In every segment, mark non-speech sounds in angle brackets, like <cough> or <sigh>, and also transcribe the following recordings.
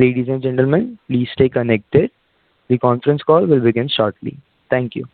Ladies and gentlemen, please stay connected. The conference call will begin shortly. Thank you.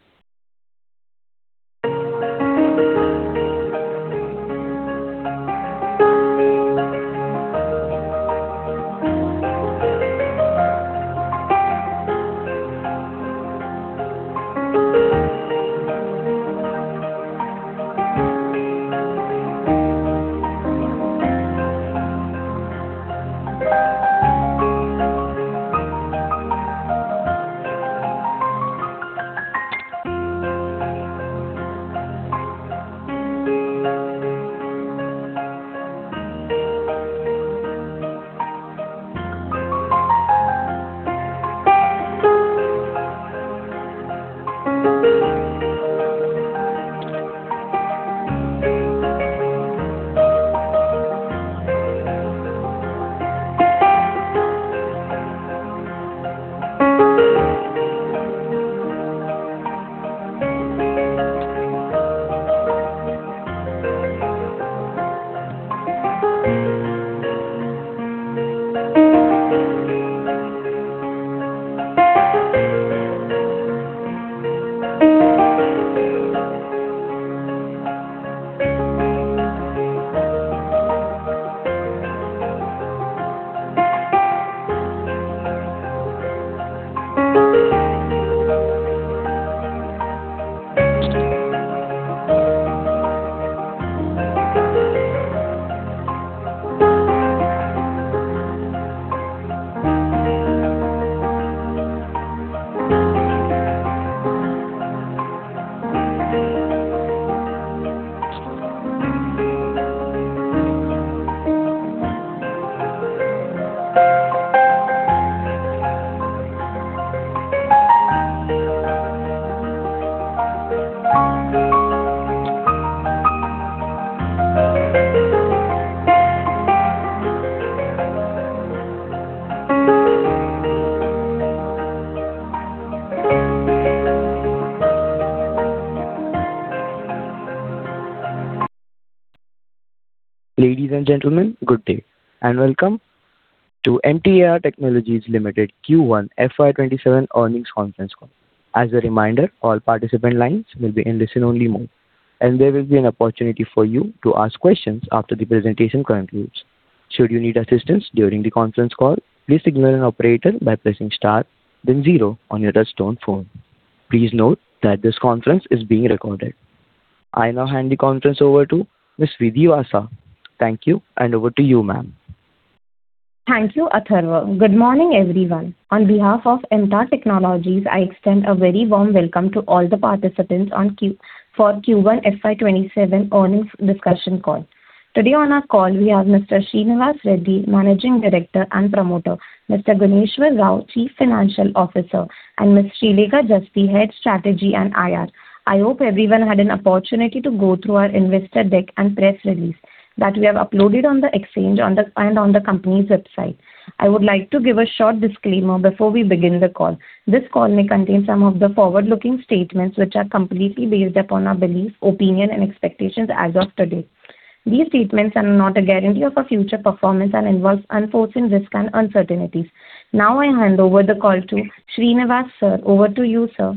Ladies and gentlemen, good day and welcome to MTAR Technologies Limited Q1 FY 2027 earnings conference call. As a reminder, all participant lines will be in listen-only mode, and there will be an opportunity for you to ask questions after the presentation concludes. Should you need assistance during the conference call, please signal an operator by pressing star then zero on your touchtone phone. Please note that this conference is being recorded. I now hand the conference over to Ms. Vidhi Vasa. Thank you, and over to you, ma'am. Thank you, Atharva. Good morning, everyone. On behalf of MTAR Technologies, I extend a very warm welcome to all the participants for Q1 FY 2027 earnings discussion call. Today on our call, we have Mr. Srinivas Reddy, Managing Director and Promoter, Mr. Gunneswara Rao, Chief Financial Officer, and Ms. Srileka Jasthi, Head Strategy and IR. I hope everyone had an opportunity to go through our investor deck and press release that we have uploaded on the exchange and on the company's website. I would like to give a short disclaimer before we begin the call. This call may contain some of the forward-looking statements, which are completely based upon our belief, opinion, and expectations as of today. These statements are not a guarantee of our future performance and involve unforeseen risks and uncertainties. Now, I hand over the call to Srinivas, sir. Over to you, sir.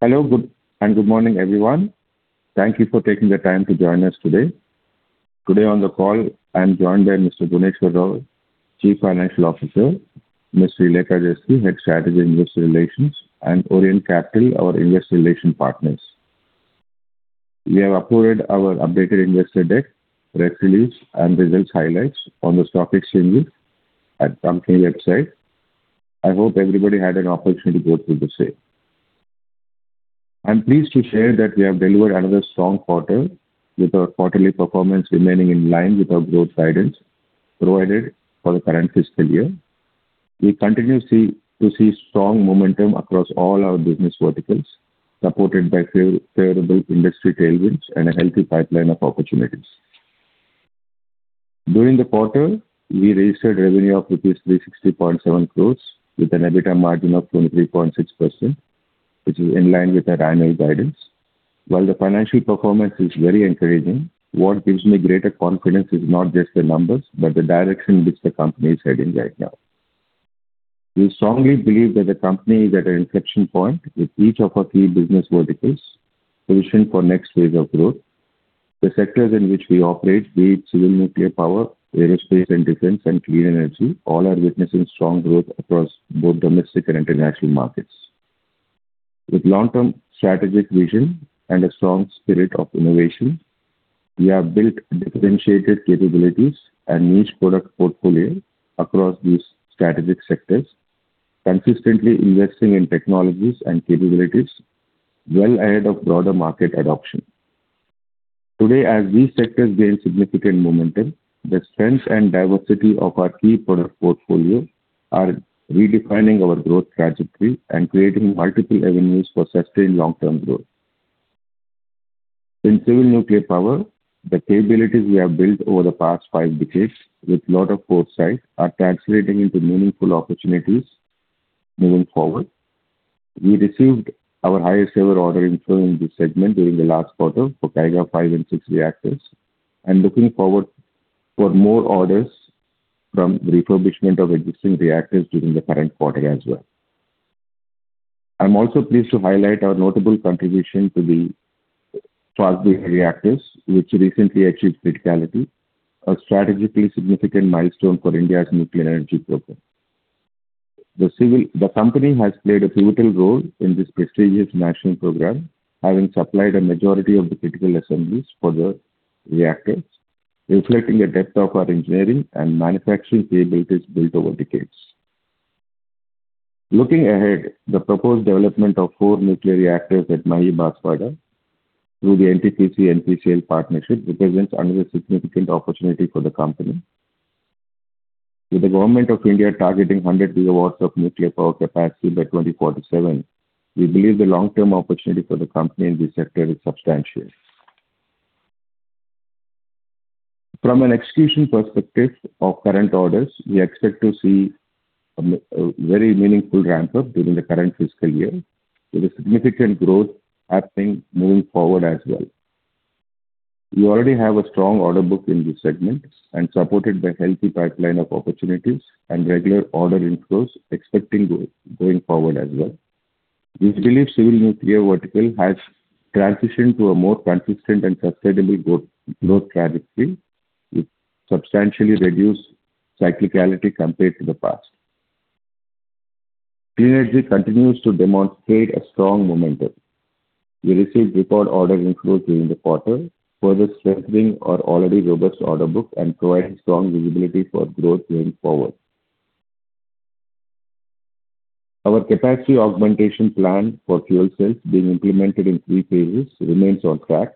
Hello, and good morning, everyone. Thank you for taking the time to join us today. Today on the call, I'm joined by Mr. Gunneswara Rao, Chief Financial Officer, Ms. Srileka Jasthi, Head Strategy Investor Relations, and Orient Capital, our investor relation partners. We have uploaded our updated investor deck, press release, and results highlights on the stock exchange at company website. I hope everybody had an opportunity to go through the same. I'm pleased to share that we have delivered another strong quarter with our quarterly performance remaining in line with our growth guidance provided for the current fiscal year. We continue to see strong momentum across all our business verticals, supported by favorable industry tailwinds and a healthy pipeline of opportunities. During the quarter, we registered revenue of rupees 360.7 crores with an EBITDA margin of 23.6%, which is in line with our annual guidance. While the financial performance is very encouraging, what gives me greater confidence is not just the numbers, but the direction which the company is heading right now. We strongly believe that the company is at an inflection point with each of our key business verticals positioned for next phase of growth. The sectors in which we operate, be it civil nuclear power, aerospace and defense, and clean energy, all are witnessing strong growth across both domestic and international markets. With long-term strategic vision and a strong spirit of innovation, we have built differentiated capabilities and niche product portfolio across these strategic sectors, consistently investing in technologies and capabilities well ahead of broader market adoption. Today, as these sectors gain significant momentum, the strength and diversity of our key product portfolio are redefining our growth trajectory and creating multiple avenues for sustained long-term growth. In Civil Nuclear power, the capabilities we have built over the past five decades with lot of foresight are translating into meaningful opportunities moving forward. We received our highest ever order inflow in this segment during the last quarter for Kaiga 5 & 6 reactors. Looking forward for more orders from refurbishment of existing reactors during the current quarter as well. I am also pleased to highlight our notable contribution to the <inaudible> reactors, which recently achieved criticality, a strategically significant milestone for India's nuclear energy program. The company has played a pivotal role in this prestigious national program, having supplied a majority of the critical assemblies for the reactors, reflecting the depth of our engineering and manufacturing capabilities built over decades. Looking ahead, the proposed development of four nuclear reactors at Mahi Banswara through the NTPC-NPCIL partnership represents another significant opportunity for the company. With the Government of India targeting 100 GW of nuclear power capacity by 2047, we believe the long-term opportunity for the company in this sector is substantial. From an execution perspective of current orders, we expect to see a very meaningful ramp-up during the current fiscal year, with a significant growth happening moving forward as well. We already have a strong order book in this segment and supported by a healthy pipeline of opportunities and regular order inflows expecting going forward as well. We believe Civil Nuclear vertical has transitioned to a more consistent and sustainable growth trajectory, with substantially reduced cyclicality compared to the past. Clean Energy continues to demonstrate a strong momentum. We received record order inflow during the quarter, further strengthening our already robust order book and providing strong visibility for growth going forward. Our capacity augmentation plan for fuel cells being implemented in three phases remains on track,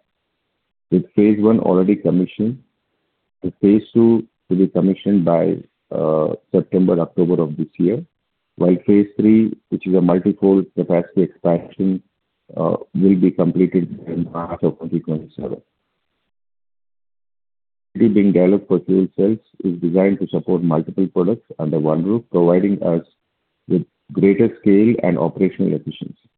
with phase one already commissioned, with phase two to be commissioned by September, October of this year. While phase three, which is a multi-fold capacity expansion, will be completed by the half of 2027. Facility being developed for fuel cells is designed to support multiple products under one roof, providing us with greater scale and operational efficiency.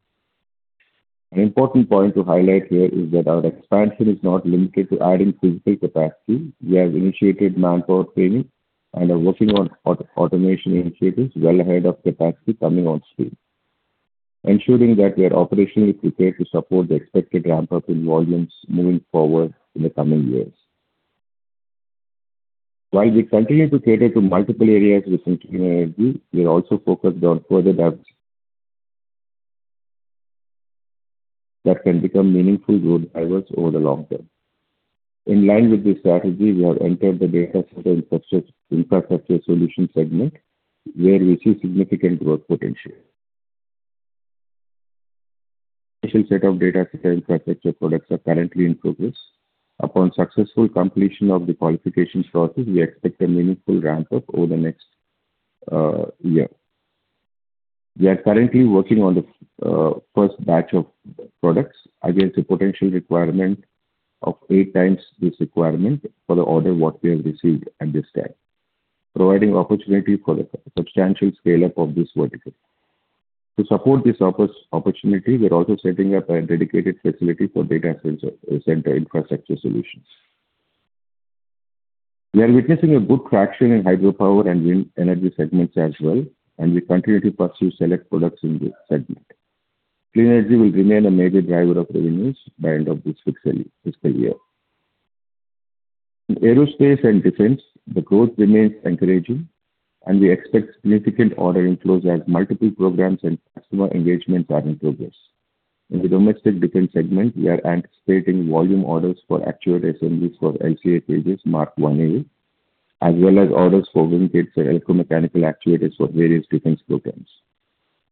An important point to highlight here is that our expansion is not limited to adding physical capacity. We have initiated manpower training and are working on automation initiatives well ahead of capacity coming on stream, ensuring that we are operationally prepared to support the expected ramp-up in volumes moving forward in the coming years. While we continue to cater to multiple areas within Clean Energy, we are also focused on further depths that can become meaningful growth drivers over the long term. In line with this strategy, we have entered the data center infrastructure solution segment, where we see significant growth potential. Special set of data center infrastructure products are currently in progress. Upon successful completion of the qualification process, we expect a meaningful ramp-up over the next year. We are currently working on the first batch of products against a potential requirement of eight times this requirement for the order, what we have received at this time, providing opportunity for a substantial scale-up of this vertical. To support this opportunity, we're also setting up a dedicated facility for data center infrastructure solutions. We are witnessing a good traction in hydropower and wind energy segments as well. We continue to pursue select products in this segment. Clean energy will remain a major driver of revenues by end of this fiscal year. In aerospace and defense, the growth remains encouraging. We expect significant order inflows as multiple programs and customer engagements are in progress. In the domestic defense segment, we are anticipating volume orders for actuator assemblies for LCA business Mark 1A, as well as orders for wing assemblies and electromechanical actuators for various defense programs.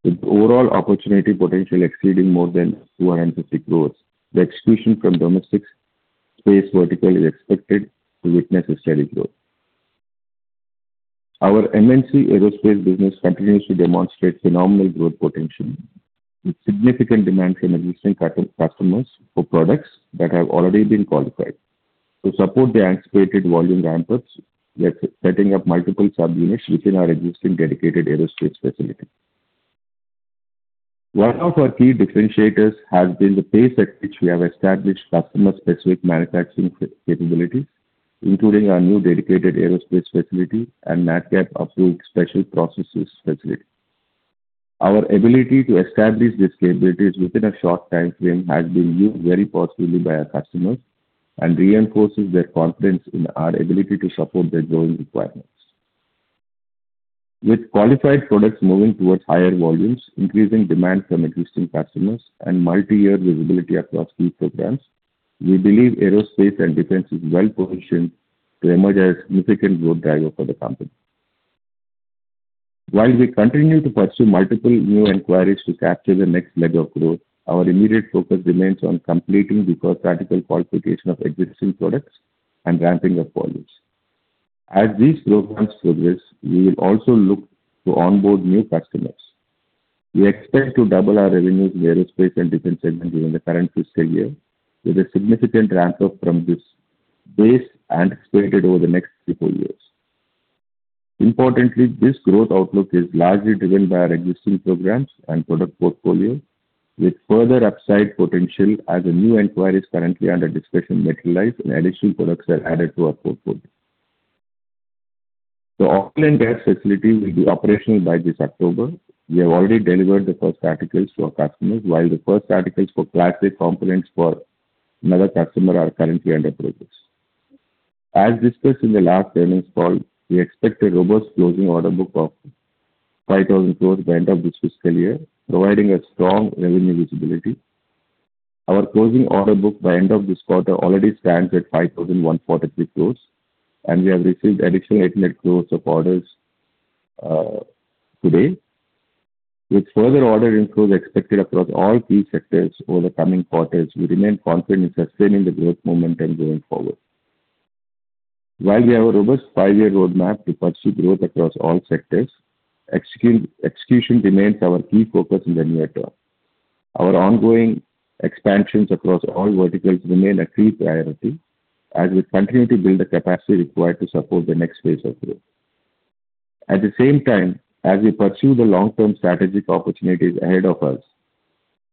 With overall opportunity potential exceeding more than 250 crores, the execution from domestic space vertical is expected to witness a steady growth. Our MNC aerospace business continues to demonstrate phenomenal growth potential, with significant demand from existing customers for products that have already been qualified. To support the anticipated volume ramp-ups, we are setting up multiple subunits within our existing dedicated aerospace facility. One of our key differentiators has been the pace at which we have established customer-specific manufacturing capabilities, including our new dedicated aerospace facility and Nadcap approved special processes facility. Our ability to establish these capabilities within a short timeframe has been viewed very positively by our customers and reinforces their confidence in our ability to support their growing requirements. With qualified products moving towards higher volumes, increasing demand from existing customers, and multi-year visibility across key programs, we believe aerospace and defense is well-positioned to emerge as significant growth driver for the company. We continue to pursue multiple new inquiries to capture the next leg of growth, our immediate focus remains on completing the critical qualification of existing products and ramping up volumes. As these programs progress, we will also look to onboard new customers. We expect to double our revenues in the aerospace and defense segment during the current fiscal year, with a significant ramp-up from this base anticipated over the next three, four years. Importantly, this growth outlook is largely driven by our existing programs and product portfolio, with further upside potential as a new inquiry is currently under discussion materialize and additional products are added to our portfolio. The Oil & Gas facility will be operational by this October. We have already delivered the first articles to our customers while the first articles for flagship components for another customer are currently under process. As discussed in the last earnings call, we expect a robust closing order book of 5,000 crores by end of this fiscal year, providing a strong revenue visibility. Our closing order book by end of this quarter already stands at 5,143 crores. We have received additional 800 crores of orders today. With further order inflows expected across all key sectors over the coming quarters, we remain confident in sustaining the growth momentum going forward. We have a robust five-year roadmap to pursue growth across all sectors, execution remains our key focus in the near term. Our ongoing expansions across all verticals remain a key priority as we continue to build the capacity required to support the next phase of growth. At the same time, as we pursue the long-term strategic opportunities ahead of us,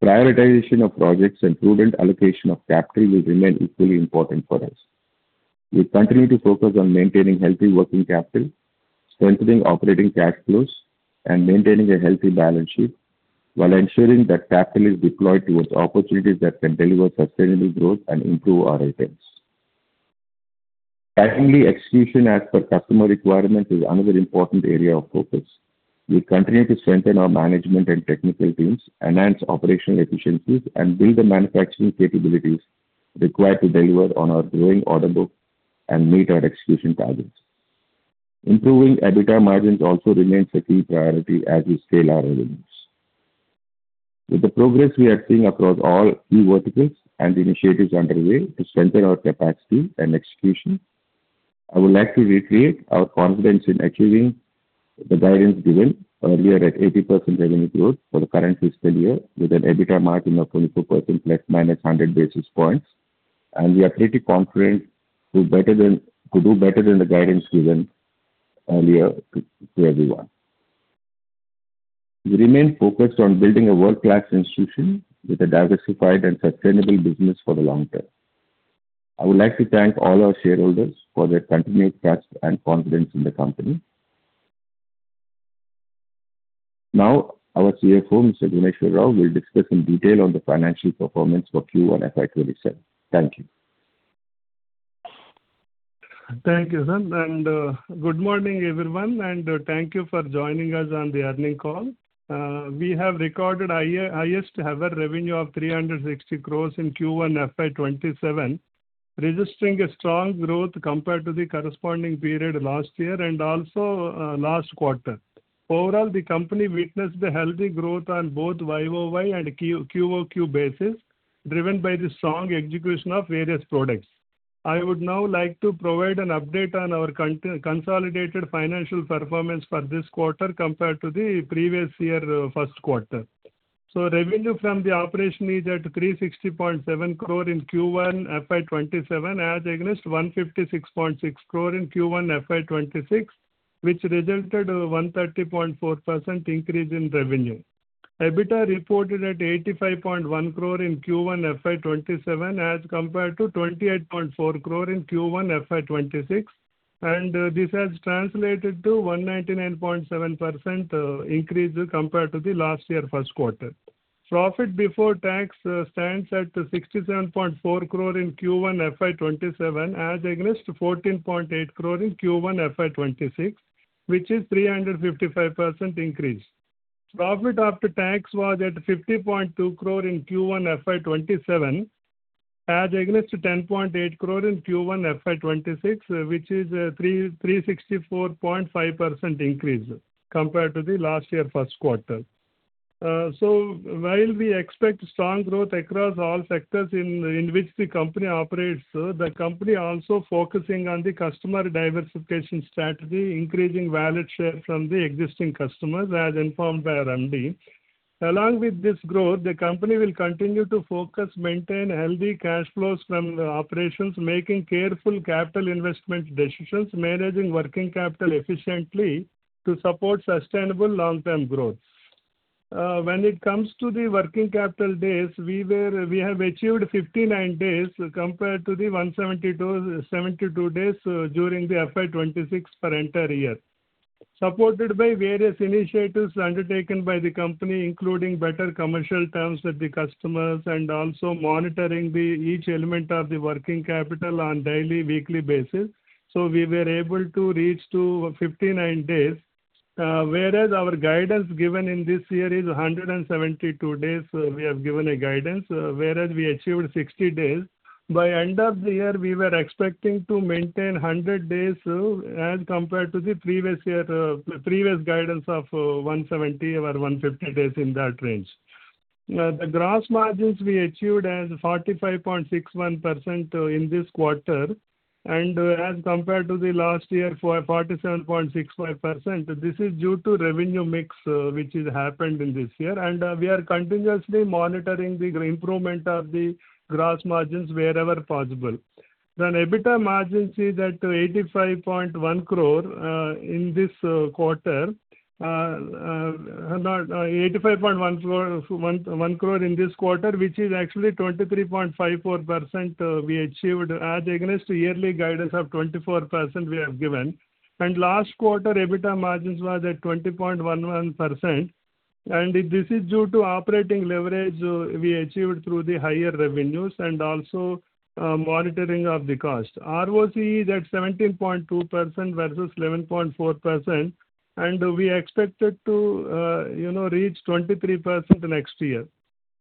prioritization of projects and prudent allocation of capital will remain equally important for us. We continue to focus on maintaining healthy working capital, strengthening operating cash flows, and maintaining a healthy balance sheet while ensuring that capital is deployed towards opportunities that can deliver sustainable growth and improve our returns. Timely execution as per customer requirements is another important area of focus. We continue to strengthen our management and technical teams, enhance operational efficiencies, and build the manufacturing capabilities required to deliver on our growing order book and meet our execution targets. Improving EBITDA margins also remains a key priority as we scale our revenues. With the progress we are seeing across all key verticals and the initiatives underway to strengthen our capacity and execution, I would like to reiterate our confidence in achieving the guidance given earlier at 80% revenue growth for the current fiscal year with an EBITDA margin of 22% ±100 basis points. We are pretty confident to do better than the guidance given earlier to everyone. We remain focused on building a world-class institution with a diversified and sustainable business for the long term. I would like to thank all our shareholders for their continued trust and confidence in the company. Now our CFO, Mr. Gunneswara Rao, will discuss in detail on the financial performance for Q1 FY 2027. Thank you. Thank you. Good morning, everyone, and thank you for joining us on the earnings call. We have recorded highest ever revenue of 360 crores in Q1 FY 2027, registering a strong growth compared to the corresponding period last year and also last quarter. Overall, the company witnessed a healthy growth on both year-over-year and quarter-over-quarter basis, driven by the strong execution of various products. I would now like to provide an update on our consolidated financial performance for this quarter compared to the previous year first quarter. Revenue from the operation is at 360.7 crores in Q1 FY 2027 as against 156.6 crores in Q1 FY 2026, which resulted in a 130.4% increase in revenue. EBITDA reported at 85.1 crores in Q1 FY 2027 as compared to 28.4 crores in Q1 FY 2026. This has translated to 199.7% increase compared to the last year first quarter. Profit before tax stands at 67.4 crores in Q1 FY 2027 as against 14.8 crores in Q1 FY 2026, which is 355% increase. Profit after tax was at 50.2 crores in Q1 FY 2027 as against 10.8 crores in Q1 FY 2026, which is a 364.5% increase compared to the last year first quarter. While we expect strong growth across all sectors in which the company operates, the company also focusing on the customer diversification strategy, increasing wallet share from the existing customers, as informed by our MD. Along with this growth, the company will continue to focus, maintain healthy cash flows from operations, making careful capital investment decisions, managing working capital efficiently to support sustainable long-term growth. When it comes to the working capital days, we have achieved 59 days compared to the 172 days during the FY 2026 for entire year. Supported by various initiatives undertaken by the company, including better commercial terms with the customers and also monitoring each element of the working capital on daily, weekly basis. We were able to reach to 59 days, whereas our guidance given in this year is 172 days. We have given a guidance, whereas we achieved 60 days. By end of the year, we were expecting to maintain 100 days as compared to the previous guidance of 170 or 150 days in that range. The gross margins we achieved as 45.61% in this quarter as compared to the last year, 47.65%. This is due to revenue mix which has happened in this year. We are continuously monitoring the improvement of the gross margins wherever possible. EBITDA margins is at 85.1 crores in this quarter, which is actually 23.54% we achieved as against yearly guidance of 24% we have given. Last quarter, EBITDA margins was at 20.11%, and this is due to operating leverage we achieved through the higher revenues and also monitoring of the cost. ROCE is at 17.2% versus 11.4%, and we expected to reach 23% next year.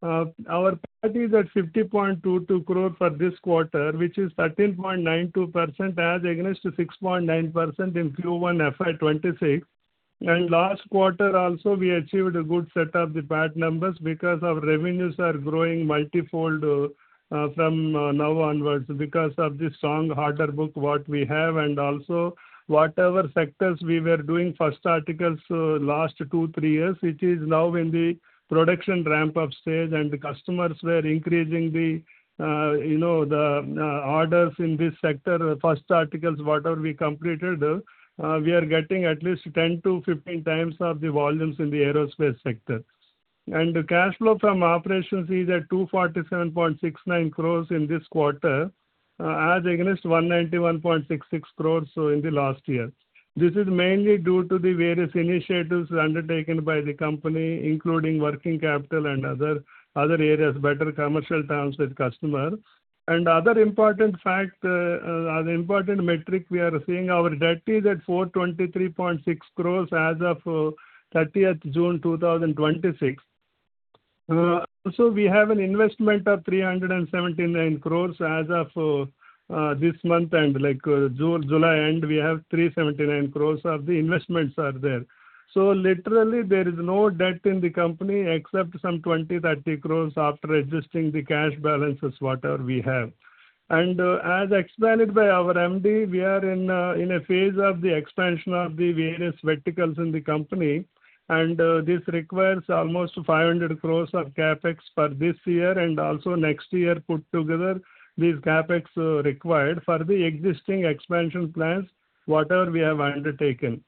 Our PAT is at 50.22 crores for this quarter, which is 13.92% as against 6.9% in Q1 FY 2026. Last quarter also, we achieved a good set of the PAT numbers because our revenues are growing multifold from now onwards because of the strong order book, what we have, and also whatever sectors we were doing first articles last two, three years, which is now in the production ramp-up stage. The customers were increasing the orders in this sector. First articles, whatever we completed, we are getting at least 10 to 15 times of the volumes in the aerospace sector. The cash flow from operations is at 247.69 crores in this quarter as against 191.66 crores in the last year. This is mainly due to the various initiatives undertaken by the company, including working capital and other areas, better commercial terms with customer. Other important metric we are seeing, our debt is at 423.6 crores as of 30th June 2026. Also, we have an investment of 379 crores as of this month, like July end, we have 379 crores of the investments are there. Literally, there is no debt in the company except some 20 crores, 30 crores after adjusting the cash balances, whatever we have. As expanded by our MD, we are in a phase of the expansion of the various verticals in the company, and this requires almost 500 crores of CapEx for this year and also next year put together, this CapEx required for the existing expansion plans, whatever we have undertaken.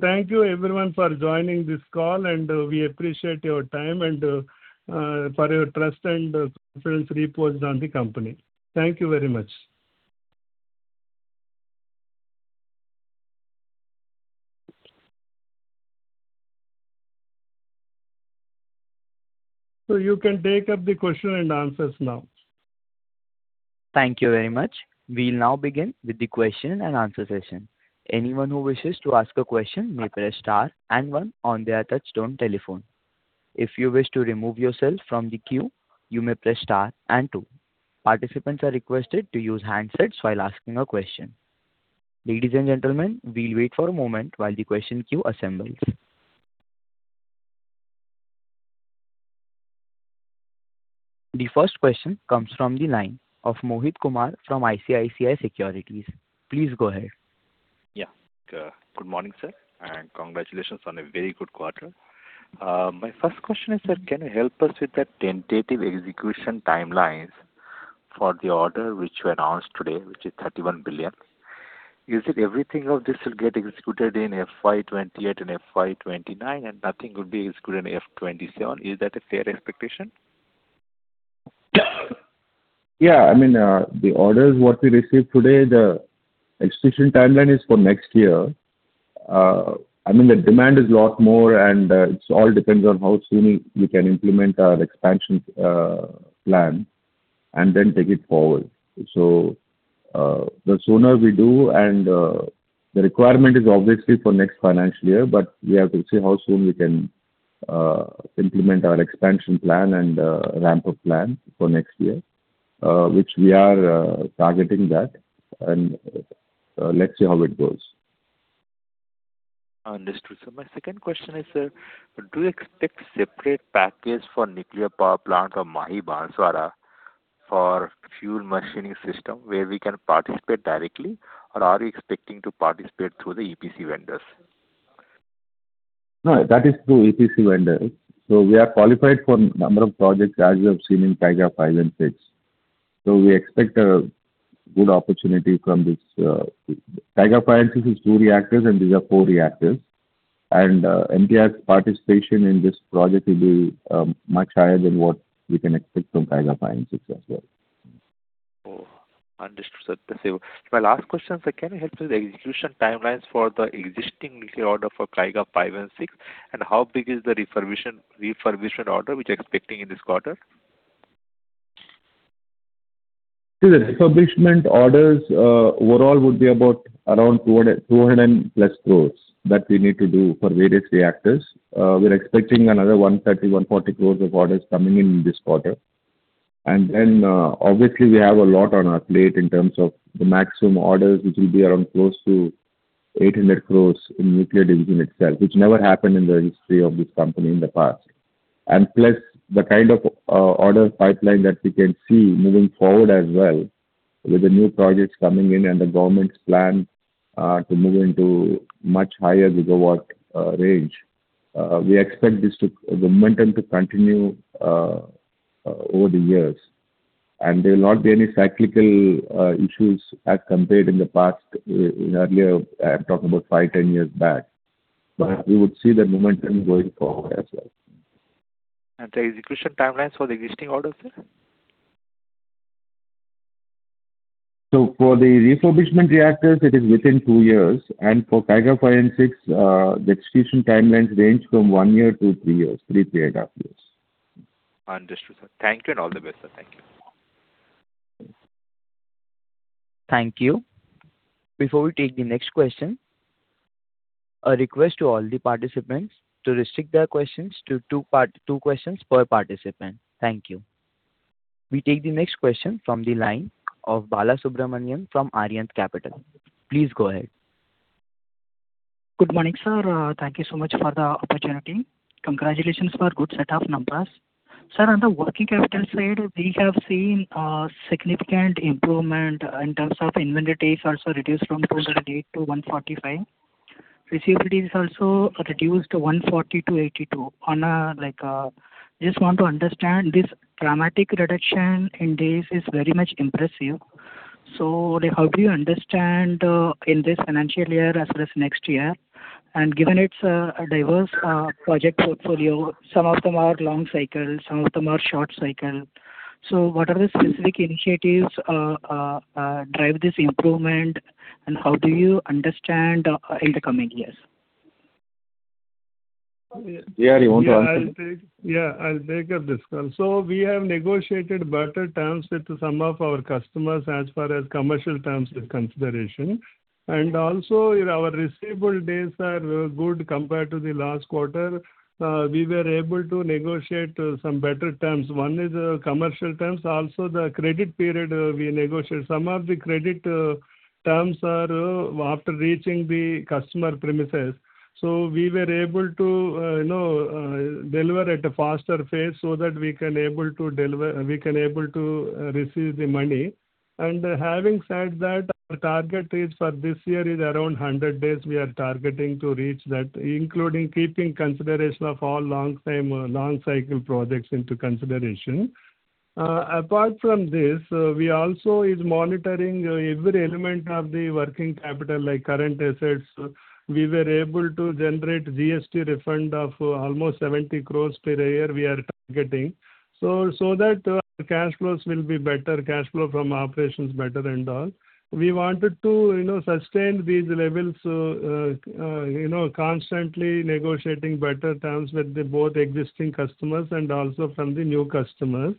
Thank you everyone for joining this call, and we appreciate your time and for your trust and confidence reposed on the company. Thank you very much. You can take up the question and answers now. Thank you very much. We'll now begin with the question and answer session. Anyone who wishes to ask a question may press star and one on their touchtone telephone. If you wish to remove yourself from the queue, you may press star and two. Participants are requested to use handsets while asking a question. Ladies and gentlemen, we'll wait for a moment while the question queue assembles. The first question comes from the line of Mohit Kumar from ICICI Securities. Please go ahead. Yeah. Good morning, sir, and congratulations on a very good quarter. My first question is, sir, can you help us with the tentative execution timelines for the order which you announced today, which is 31 billion? Is it everything of this will get executed in FY 2028 and FY 2029 and nothing would be executed in FY 2027? Is that a fair expectation? Yeah. The orders what we received today, the execution timeline is for next year. The demand is a lot more, it all depends on how soon we can implement our expansion plan and then take it forward. The sooner we do, the requirement is obviously for next financial year, we have to see how soon we can implement our expansion plan and ramp-up plan for next year, which we are targeting that, let's see how it goes. Understood, sir. My second question is, sir, do you expect separate package for nuclear power plant of Mahi Banswara for fuel machining system where we can participate directly, or are we expecting to participate through the EPC vendors? No, that is through EPC vendor. We are qualified for number of projects as you have seen in Kaiga 5 & 6. We expect a good opportunity from this. Kaiga 5 & 6 is two reactors, and these are four reactors. MTAR's participation in this project will be much higher than what we can expect from Kaiga 5 & 6 as well. Understood, sir. My last question, sir, can you help with execution timelines for the existing nuclear order for Kaiga 5 & 6, and how big is the refurbishment order which you're expecting in this quarter? The refurbishment orders overall would be about around 200+ crores that we need to do for various reactors. We're expecting another 130 crores, 140 crores of orders coming in in this quarter. Obviously, we have a lot on our plate in terms of the maximum orders, which will be around close to 800 crores in nuclear division itself, which never happened in the history of this company in the past. The kind of order pipeline that we can see moving forward as well with the new projects coming in and the government's plan to move into much higher gigawatt range. We expect this momentum to continue over the years. There will not be any cyclical issues as compared in the past, earlier, I'm talking about five, 10 years back. We would see the momentum going forward as well. The execution timelines for the existing orders, sir? For the refurbishment reactors, it is within two years. For Kaiga 5 & 6, the execution timelines range from one year to three years. Understood, sir. Thank you and all the best, sir. Thank you. Thank you. Before we take the next question, a request to all the participants to restrict their questions to two questions per participant. Thank you. We take the next question from the line of Balasubramanian from Arihant Capital. Please go ahead. Good morning, sir. Thank you so much for the opportunity. Congratulations for good set of numbers. Sir, on the working capital side, we have seen a significant improvement in terms of inventory is also reduced from 208 to 145. Receivables also reduced to 140 to 82. Just want to understand, this dramatic reduction in days is very much impressive. How do you understand in this financial year as well as next year? Given it's a diverse project portfolio, some of them are long cycle, some of them are short cycle. What are the specific initiatives drive this improvement, and how do you understand in the coming years? Jay, you want to answer? Yeah, I'll take up this call. We have negotiated better terms with some of our customers as far as commercial terms is consideration. Also, our receivable days are good compared to the last quarter. We were able to negotiate some better terms. One is commercial terms. Also the credit period we negotiated. Some of the credit terms are after reaching the customer premises. We were able to deliver at a faster phase so that we can able to receive the money. Having said that, our target is for this year is around 100 days we are targeting to reach that, including keeping consideration of all long cycle projects into consideration. Apart from this, we also is monitoring every element of the working capital, like current assets. We were able to generate GST refund of almost 70 crores per year we are targeting. That our cash flows will be better, cash flow from operations better and all. We wanted to sustain these levels, constantly negotiating better terms with the both existing customers and also from the new customers.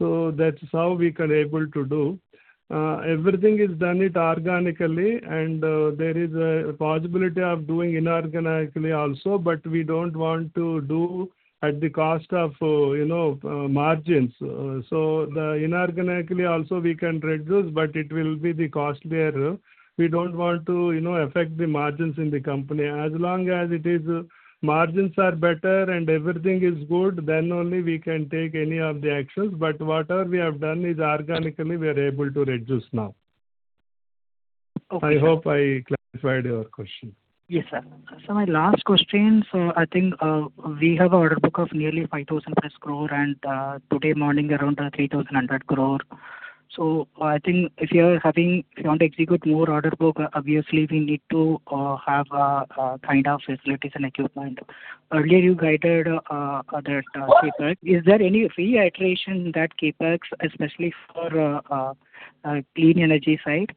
That's how we can able to do. Everything is done organically, and there is a possibility of doing inorganically also, but we don't want to do at the cost of margins. The inorganically also we can reduce, but it will be the costlier. We don't want to affect the margins in the company. As long as it is margins are better and everything is good, then only we can take any of the actions. Whatever we have done is organically we are able to reduce now. Okay. I hope I clarified your question. Yes, sir. Sir, my last question. I think we have an order book of nearly 5,000+ crores and today morning around 3,100 crores. I think if you want to execute more order book, obviously we need to have kind of facilities and equipment. Earlier you guided that CapEx. Is there any reiteration that CapEx especially for clean energy side?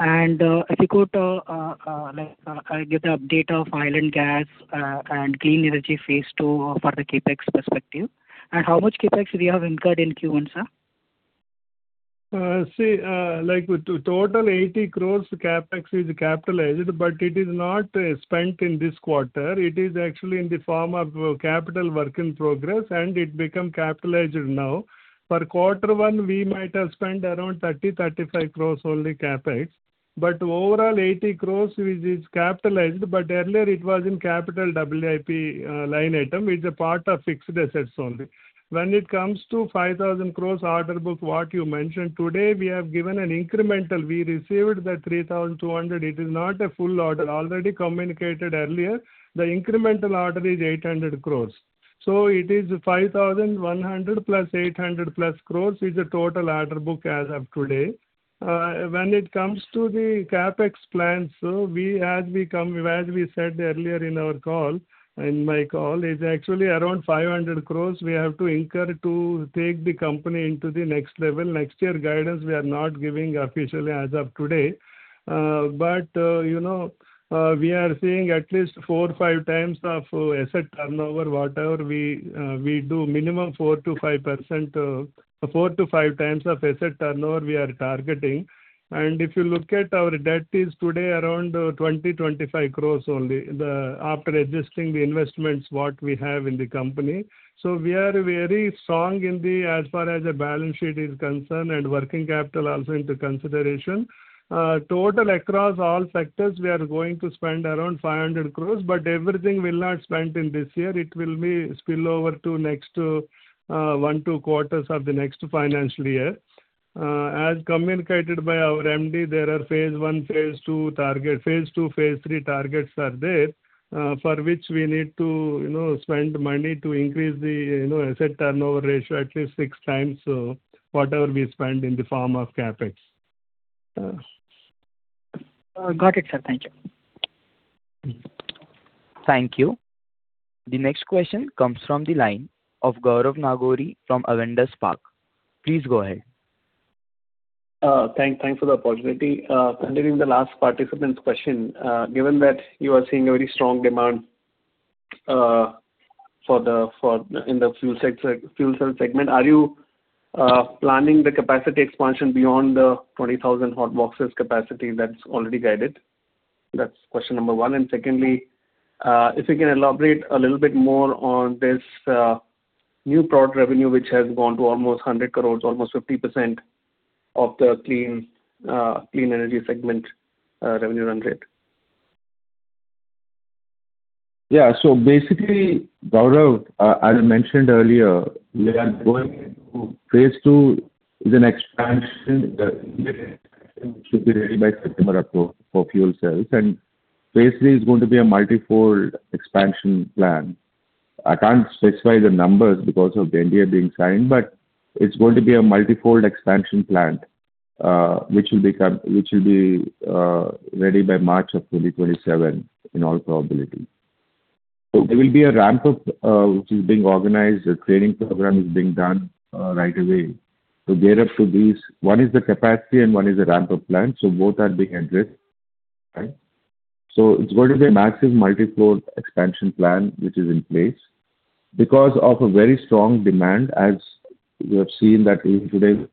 If you could give the update of Oil & Gas and Clean Energy phase two for the CapEx perspective. How much CapEx we have incurred in Q1, sir? Total 80 crores CapEx is capitalized, but it is not spent in this quarter. It is actually in the form of capital work in progress, and it became capitalized now. For quarter one, we might have spent around 30 crores, 35 crores only CapEx. Overall, 80 crores which is capitalized, but earlier it was in capital WIP line item. It's a part of fixed assets only. When it comes to 5,000 crores order book, what you mentioned today, we have given an incremental. We received that 3,200 crores. It is not a full order. Already communicated earlier. The incremental order is 800 crores. It is 5,100+ crores, 800+ crores is the total order book as of today. When it comes to the CapEx plans, as we said earlier in our call, in my call, is actually around 500 crores we have to incur to take the company into the next level. Next year guidance, we are not giving officially as of today. We are seeing at least four, five times of asset turnover, whatever we do, minimum four to five times of asset turnover we are targeting. If you look at our debt is today around 20 crores, INR 25 croresonly, after adjusting the investments what we have in the company. We are very strong in the as far as the balance sheet is concerned and working capital also into consideration. Total across all sectors, we are going to spend around 500 crores, but everything will not spent in this year. It will be spillover to next one, two quarters of the next financial year. As communicated by our MD, there are phase one, phase two target, phase two, phase three targets are there. For which we need to spend money to increase the asset turnover ratio at least 6x, whatever we spend in the form of CapEx. Got it, sir. Thank you. Thank you. The next question comes from the line of Gaurav Nagori from Avendus Spark. Please go ahead. Thanks for the opportunity. Continuing the last participant's question, given that you are seeing a very strong demand in the fuel cell segment, are you planning the capacity expansion beyond the 20,000 hot boxes capacity that's already guided? That's question number one. Secondly, if you can elaborate a little bit more on this new product revenue, which has gone to almost 100 crores, almost 50% of the clean energy segment revenue run rate. Yeah. Basically, Gaurav, as I mentioned earlier, we are going into phase two is an expansion that should be ready by September for fuel cells, and phase three is going to be a multifold expansion plan. I can't specify the numbers because of the NDA being signed, but it's going to be a multifold expansion plan, which will be ready by March of 2027 in all probability. There will be a ramp-up, which is being organized. A training program is being done right away to gear up to these. One is the capacity and one is the ramp-up plan. Both are being handled. It's going to be a massive multifold expansion plan which is in place because of a very strong demand, as you have seen that even today,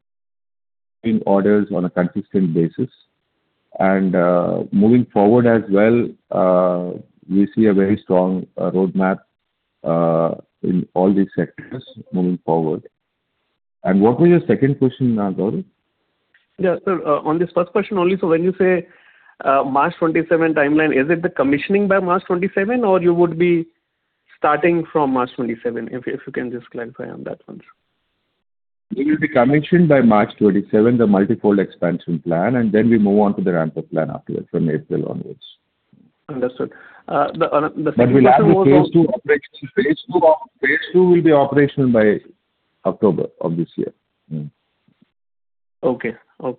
getting orders on a consistent basis. Moving forward as well, we see a very strong roadmap in all these sectors moving forward. What was your second question now, Gaurav? Yeah. Sir, on this first question only, when you say March 27 timeline, is it the commissioning by March 27, or you would be starting from March 27? If you can just clarify on that one. We will be commissioning by March 27, the multifold expansion plan, then we move on to the ramp-up plan afterwards, from April onwards. Understood. We'll have the phase two operation. Phase two will be operational by October of this year. Okay. The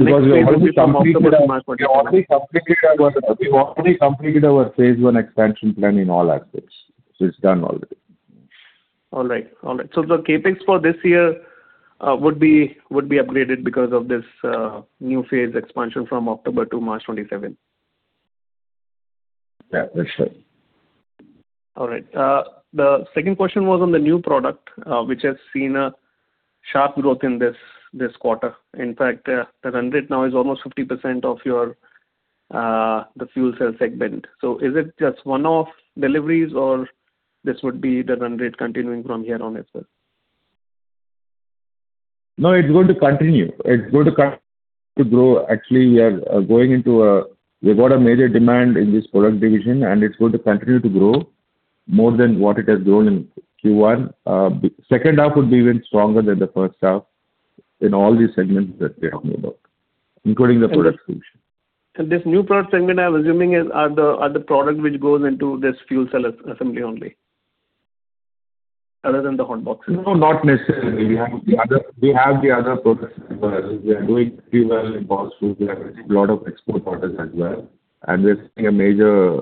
next phase will be from October to March 2027. We've already completed our phase one expansion plan in all aspects. It's done already. All right. The CapEx for this year would be upgraded because of this new phase expansion from October to March 2027? Yeah, that's right. All right. The second question was on the new product, which has seen a sharp growth in this quarter. In fact, the run rate now is almost 50% of the fuel cell segment. Is it just one-off deliveries, or this would be the run rate continuing from here on as well? No, it's going to continue. It's going to grow. Actually, we've got a major demand in this product division, and it's going to continue to grow more than what it has grown in Q1. Second half would be even stronger than the first half in all these segments that we are talking about, including the product solution. This new product segment, I'm assuming, are the product which goes into this fuel cell assembly only, other than the hot boxes? No, not necessarily. We have the other products as well. We are doing pretty well in ball screws. We are receiving a lot of export orders as well. We're seeing a major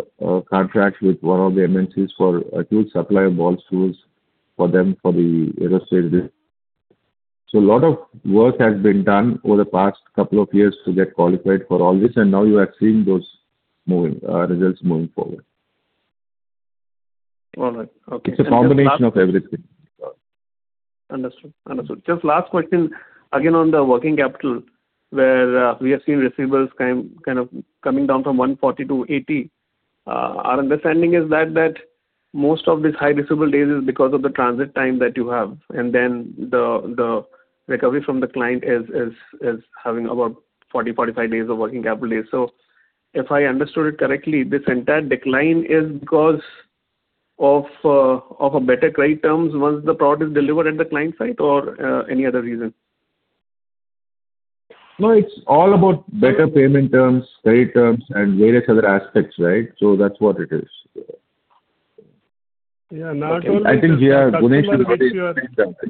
contract with one of the MNCs for acute supply of ball screws for them for the aerospace. A lot of work has been done over the past couple of years to get qualified for all this, and now you are seeing those results moving forward. All right. Okay. It's a combination of everything. Understood. Just last question, again, on the working capital, where we have seen receivables kind of coming down from 140 to 80. Our understanding is that most of these high receivable days is because of the transit time that you have, and then the recovery from the client is having about 40, 45 days of working capital days. If I understood it correctly, this entire decline is because of a better credit terms once the product is delivered at the client site or any other reason? No, it's all about better payment terms, credit terms, and various other aspects. That's what it is. Yeah, not only just the customer makes. I think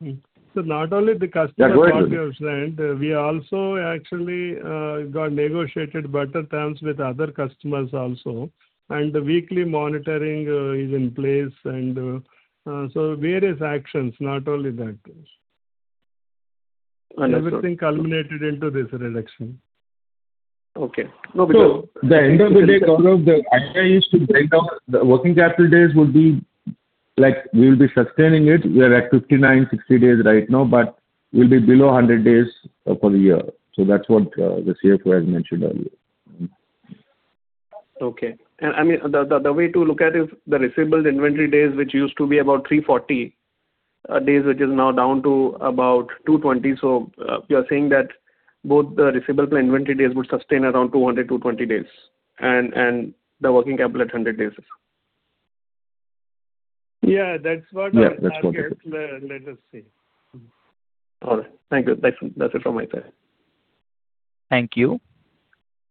we are. Sir, not only the customer. Yeah, go ahead. We also actually got negotiated better terms with other customers also. Weekly monitoring is in place. Various actions, not only that. Understood. Everything culminated into this reduction. Okay. The end of the day, Gaurav, the idea is to break down the working capital days will be sustaining it. We are at 59, 60 days right now, but we'll be below 100 days for the year. That's what the CFO has mentioned earlier. Okay. The way to look at it, the receivable inventory days, which used to be about 340 days, which is now down to about 220. You are saying that both the receivable to inventory days would sustain around 200, 220 days, and the working capital at 100 days as well. That's what our target. Let us see. Yeah. Thank you. That's it from my side. Thank you.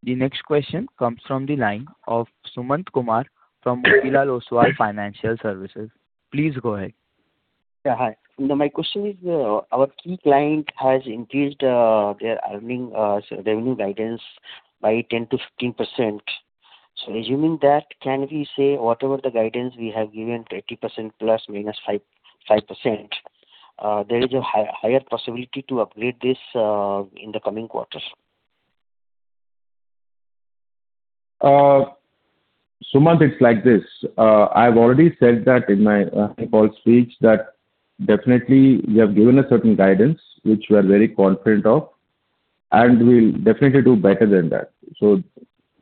The next question comes from the line of Sumant Kumar from Motilal Oswal Financial Services. Please go ahead. Yeah. Hi. My question is, our key client has increased their revenue guidance by 10%-15%. Assuming that, can we say whatever the guidance we have given to 80% ±5%, there is a higher possibility to upgrade this in the coming quarters? Sumant, it's like this. I've already said that in my call speech that definitely we have given a certain guidance, which we are very confident of, and we'll definitely do better than that.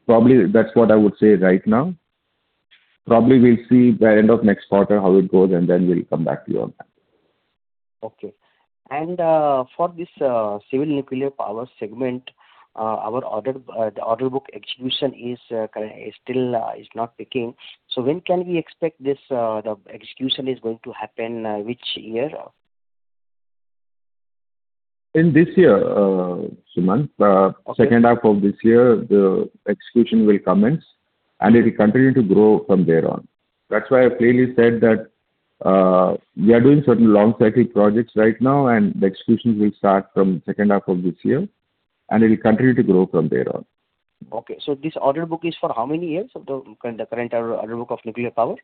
Probably that's what I would say right now. Probably we'll see by end of next quarter how it goes, and then we'll come back to you on that. Okay. For this civil nuclear power segment, our order book execution is still not picking. When can we expect this execution is going to happen? Which year? In this year, Sumant. Okay. Second half of this year, the execution will commence, and it will continue to grow from there on. That's why I clearly said that we are doing certain long cycle projects right now, and the executions will start from second half of this year, and it will continue to grow from there on. Okay. This order book is for how many years? The current order book of nuclear power.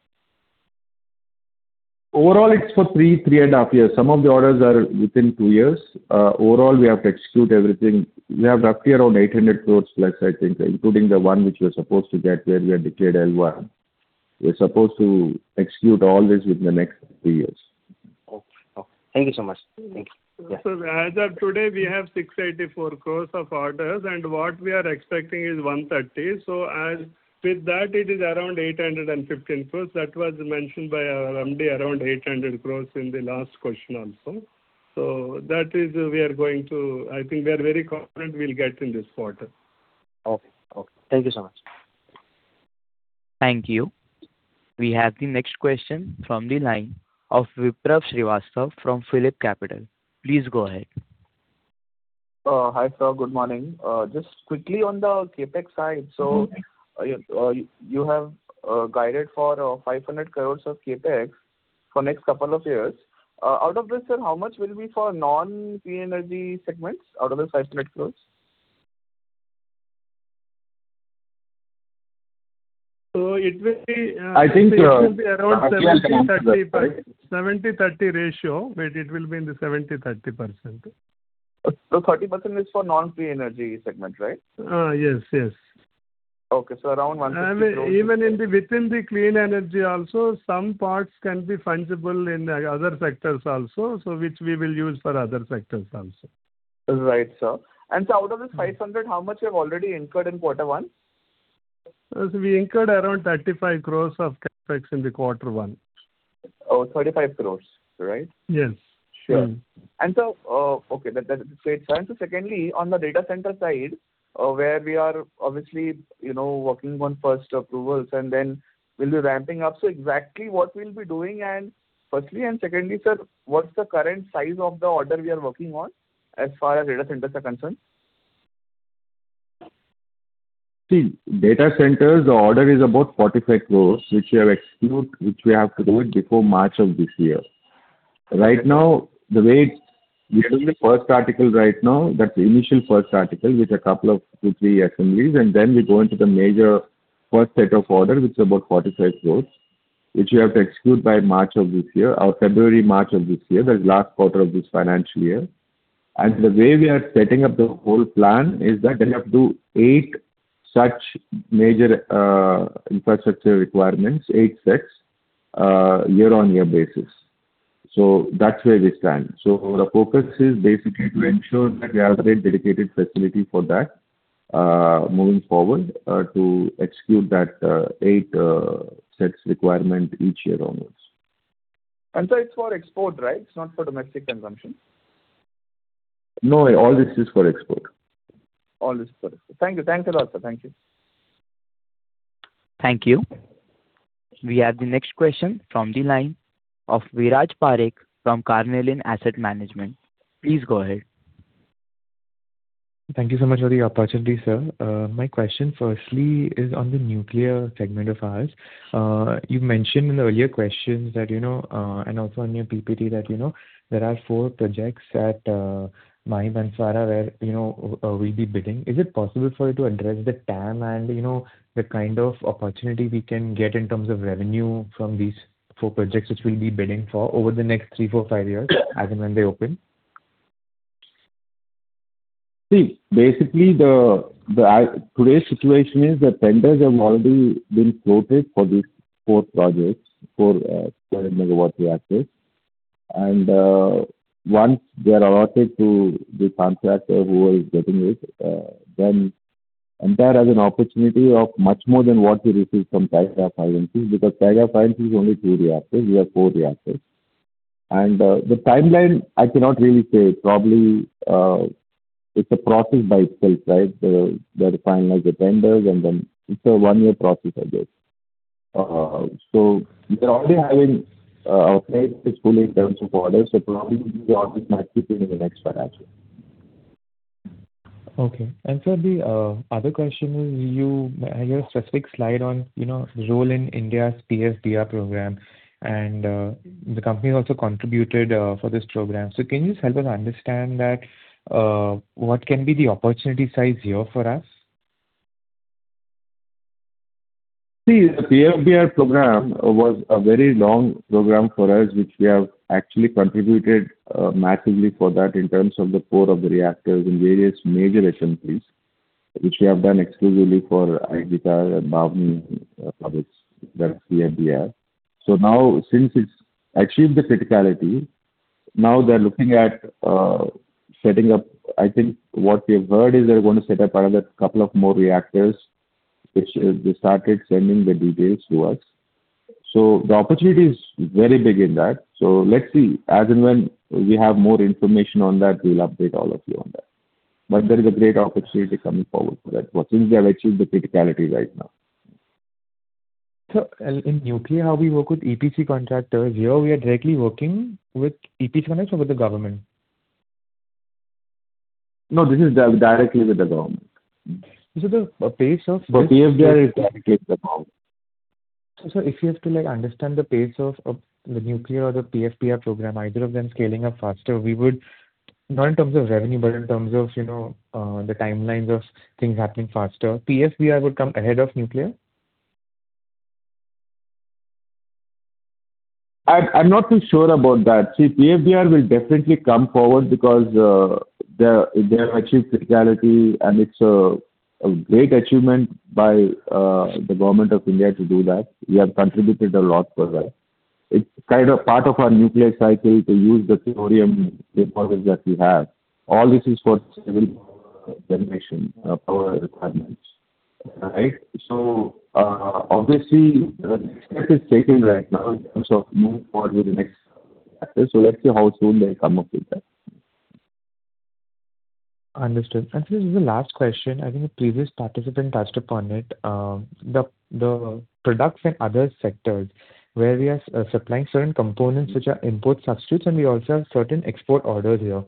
Overall, it's for three and a half years. Some of the orders are within two years. Overall, we have to execute everything. We have roughly around 800+ crores, I think, including the one which we're supposed to get where we are declared L1. We're supposed to execute all this within the next three years. Okay. Thank you so much. Thank you. Sir, as of today, we have 684 crores of orders. What we are expecting is 130 crores. With that, it is around 815 crores. That was mentioned by our MD, around INR 800 crores in the last question also. I think we are very confident we'll get in this quarter. Okay. Thank you so much. Thank you. We have the next question from the line of Vipraw Srivastava from PhillipCapital. Please go ahead. Hi, sir. Good morning. Just quickly on the CapEx side. You have guided for 500 crores of CapEx for next couple of years. Out of this, sir, how much will be for non-clean energy segments out of the 500 crores? So it will be. I think. It will be around 70/30 ratio. It will be in the 70%/30%. 30% is for non-clean energy segment, right? Yes. Okay. Around 150 crores. Even within the clean energy also, some parts can be fundable in other sectors also, which we will use for other sectors also. Right, sir. Sir, out of this 500, how much we have already incurred in quarter one? Sir, we incurred around 35 crores of CapEx in the quarter one. Oh, 35 crores, right? Yes. Sure. Okay. Secondly, on the data center side, where we are obviously working on first approvals, and then we'll be ramping up. Exactly what we'll be doing firstly, and secondly, sir, what's the current size of the order we are working on as far as data centers are concerned? See, data centers, the order is about 45 crores, which we have to do it before March of this year. Right now, we are doing the first article right now. That's the initial first article with a couple of two, three assemblies, and then we go into the major first set of order, which is about 45 crores, which we have to execute by March of this year or February, March of this year, that is last quarter of this financial year. The way we are setting up the whole plan is that we have to do eight such major infrastructure requirements, eight sets, year-on-year basis. That's where we stand. The focus is basically to ensure that we have a great dedicated facility for that, moving forward, to execute that eight sets requirement each year onwards. It's for export, right? It's not for domestic consumption. No. All this is for export. All this is for export. Thank you. Thanks a lot, sir. Thank you. Thank you. We have the next question from the line of Viraj Parekh from Carnelian Asset Management. Please go ahead. Thank you so much for the opportunity, sir. My question firstly is on the nuclear segment of ours. You mentioned in the earlier questions that, also on your PPT that there are four projects at Mahi Banswara where we'll be bidding. Is it possible for you to address the TAM and the kind of opportunity we can get in terms of revenue from these four projects, which we'll be bidding for over the next three, four, five years as and when they open? Basically today's situation is the tenders have already been floated for these four projects, four megawatt reactors. Once they are allotted to the contractor who is getting it, then MTAR has an opportunity of much more than what we receive from Kaiga 5 & 3, because Kaiga 5 is only three reactors. We have four reactors. The timeline, I cannot really say. Probably, it's a process by itself, right? They'll finalize the tenders and then it's a one-year process, I guess. We're already having our plates full in terms of orders, so probably these orders might fit in in the next financial year. Okay. Sir, the other question is, you had a specific slide on role in India's PFBR program, and the company also contributed for this program. Can you help us understand that, what can be the opportunity size here for us? The PFBR program was a very long program for us, which we have actually contributed massively for that in terms of the core of the reactors in various major assemblies, which we have done exclusively for IGCAR and BHAVINI projects, that's PFBR. Now, since it's achieved the criticality, now they're looking at setting up, I think what we've heard is they're going to set up another couple of more reactors, which they started sending the details to us. The opportunity is very big in that. Let's see. As and when we have more information on that, we'll update all of you on that. There is a great opportunity coming forward for that one since they have achieved the criticality right now. Sir, in nuclear, we work with EPC contractors. Here we are directly working with EPC contractors or with the government? This is directly with the government. The pace of. For PFBR, it's directly with the government. If we have to understand the pace of the nuclear or the PFBR program, either of them scaling up faster, we would, not in terms of revenue, but in terms of the timelines of things happening faster, PFBR would come ahead of nuclear? I'm not too sure about that. PFBR will definitely come forward because they have achieved criticality, and it's a great achievement by the Government of India to do that. We have contributed a lot for that. It's kind of part of our nuclear cycle to use the thorium deposits that we have. All this is for civil generation power requirements, right? Obviously, the next step is taken right now in terms of move forward with the next reactor. Let's see how soon they come up with that. Understood. This is the last question. I think the previous participant touched upon it. The products and other sectors where we are supplying certain components which are import substitutes, and we also have certain export orders here.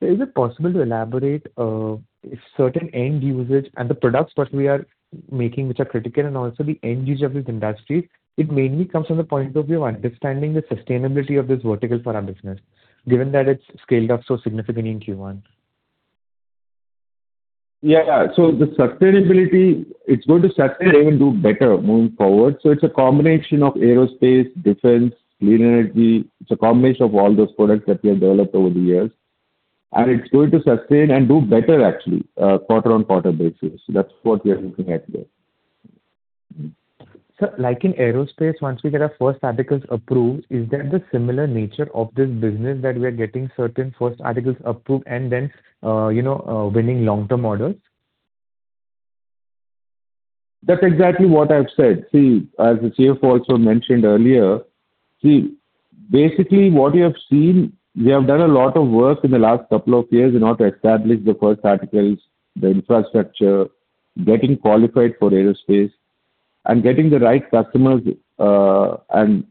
Is it possible to elaborate if certain end usage and the products that we are making, which are critical, and also the end usage of this industry, it mainly comes from the point of view of understanding the sustainability of this vertical for our business, given that it's scaled up so significantly in Q1. Yeah. The sustainability, it's going to sustain and do better moving forward. It's a combination of aerospace, defense, clean energy. It's a combination of all those products that we have developed over the years, and it's going to sustain and do better actually, quarter-on-quarter basis. That's what we are looking at there. Sir, like in aerospace, once we get our first articles approved, is that the similar nature of this business that we are getting certain first articles approved and then winning long-term orders? That's exactly what I've said. As the CFO also mentioned earlier, see, basically what we have seen, we have done a lot of work in the last couple of years in order to establish the first articles, the infrastructure, getting qualified for aerospace and getting the right customers, and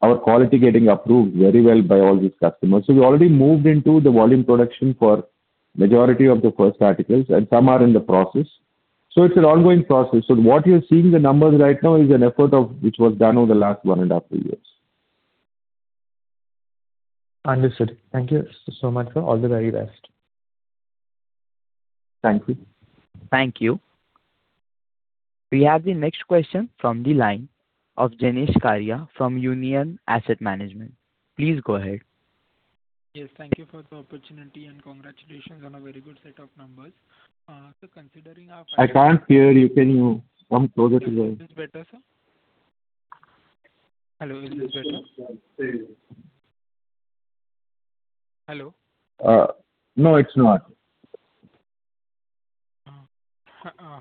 our quality getting approved very well by all these customers. We already moved into the volume production for majority of the first articles, and some are in the process. It's an ongoing process. What you're seeing the numbers right now is an effort of which was done over the last one and a half years. Understood. Thank you so much, sir. All the very best. Thank you. Thank you. We have the next question from the line of Jenish Karia from Union Mutual Fund. Please go ahead. Yes. Thank you for the opportunity and congratulations on a very good set of numbers. Considering. I can't hear you. Can you come closer to. Is this better, sir? Hello, is this better? <inaudible> Hello. No, it's not.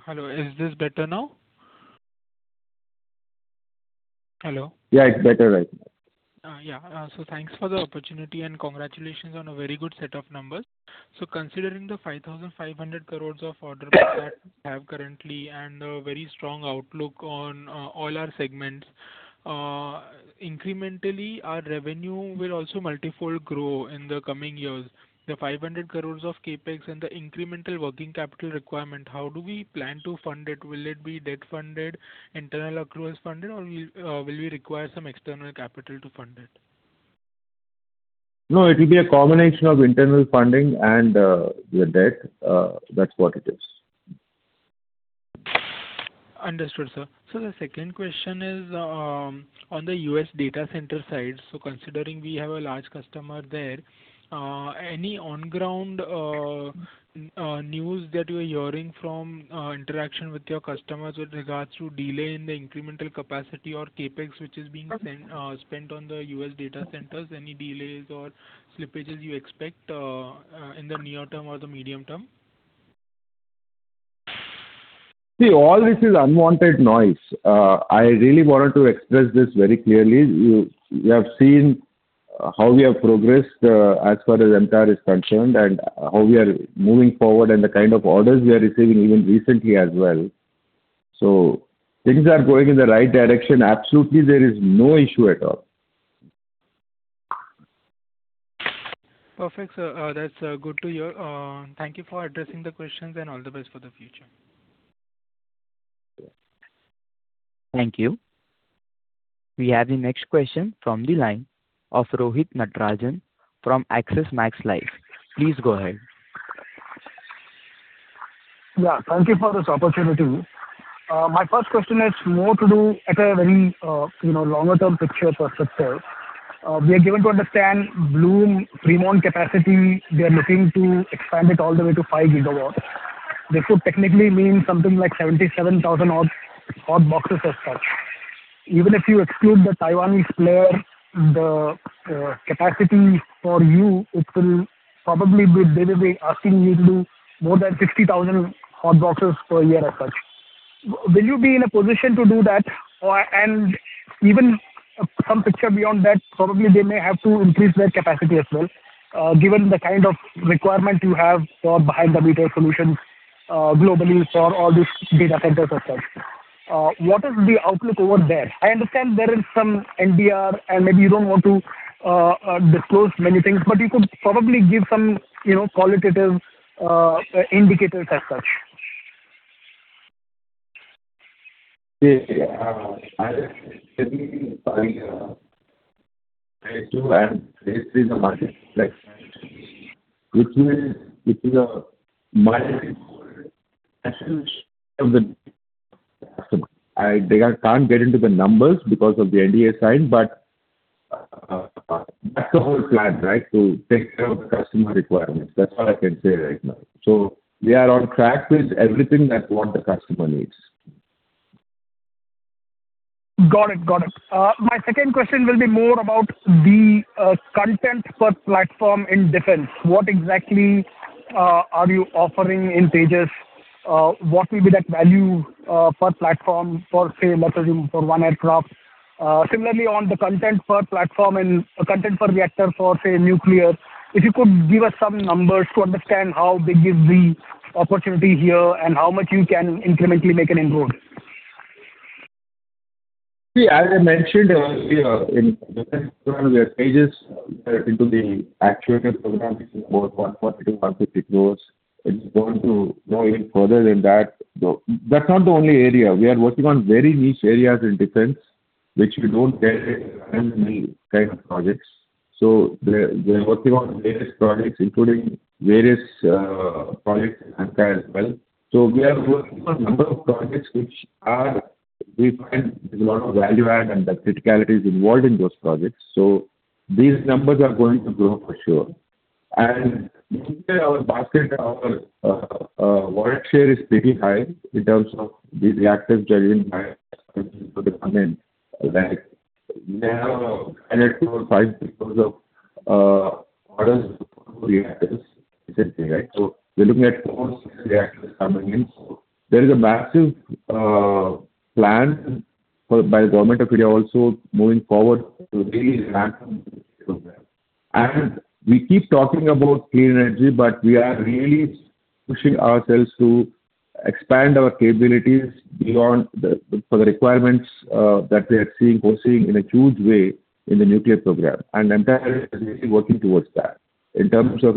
Hello. Is this better now? Hello. Yeah, it's better. Thanks for the opportunity and congratulations on a very good set of numbers. Considering the 5,500 crores of order book that we have currently and a very strong outlook on all our segments, incrementally our revenue will also multifold grow in the coming years. The 500 crores of CapEx and the incremental working capital requirement, how do we plan to fund it? Will it be debt funded, internal accruals funded, or will we require some external capital to fund it? No, it will be a combination of internal funding and the debt. That's what it is. Understood, sir. The second question is on the U.S. data center side. Considering we have a large customer there, any on ground news that you're hearing from interaction with your customers with regards to delay in the incremental capacity or CapEx which is being spent on the U.S. data centers? Any delays or slippages you expect in the near term or the medium term? See, all this is unwanted noise. I really wanted to express this very clearly. You have seen how we have progressed as far as MTAR is concerned, and how we are moving forward, and the kind of orders we are receiving even recently as well. Things are going in the right direction. Absolutely, there is no issue at all. Perfect, sir. That's good to hear. Thank you for addressing the questions, and all the best for the future. Thank you. We have the next question from the line of Rohit Natarajan from Axis Max Life. Please go ahead. Yeah. Thank you for this opportunity. My first question is more to do at a very longer-term picture perspective. We are given to understand Bloom Fremont capacity, they're looking to expand it all the way to 5 GW. This would technically mean something like 77,000 odd hot boxes as such. Even if you exclude the Taiwanese player, the capacity for you, it will probably be they will be asking you to do more than 50,000 hot boxes per year as such. Will you be in a position to do that? Even some picture beyond that, probably they may have to increase their capacity as well, given the kind of requirement you have for behind-the-meter solutions globally for all these data centers as such. What is the outlook over there? I understand there is some NDA, and maybe you don't want to disclose many things, but you could probably give some qualitative indicators as such. See, as I said to you, phase two and phase three of the market I can't get into the numbers because of the NDA sign, but that's the whole plan, right? To take care of the customer requirements. That's all I can say right now. We are on track with everything that what the customer needs. Got it. My second question will be more about the content per platform in defense. What exactly are you offering in Tejas? What will be that value per platform for, say, let's assume for one aircraft? Similarly, on the content per platform and content per reactor for, say, nuclear. If you could give us some numbers to understand how big is the opportunity here and how much you can incrementally make an inroad. See, as I mentioned earlier in defense program, where Tejas into the actuator program, which is about 140 crores-150 crores, it's going to grow even further than that, though that's not the only area. We are working on very niche areas in defense, which we don't share any kind of projects. We're working on various projects, including various projects in MTAR as well. We are working on a number of projects which we find there's a lot of value add and the criticality is involved in those projects. These numbers are going to grow for sure. Nuclear, our basket, our wallet share is pretty high in terms of the reactors judging by coming in, like now nine to over five because of orders for reactors recently, right? We're looking at four, six reactors coming in. There is a massive plan by the Government of India also moving forward to really ramp up the program. We keep talking about clean energy, but we are really pushing ourselves to expand our capabilities for the requirements that we are foreseeing in a huge way in the nuclear program. MTAR is really working towards that. In terms of